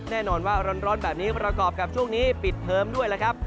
แน่นอนว่าร้อนแบบนี้ประกอบกับช่วงนี้ปิดเทิมด้วยแล้วครับ